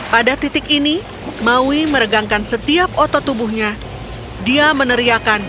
pada titik ini maui meregangkan setiap otot tubuhnya dia meneriakan